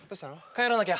帰らなきゃ。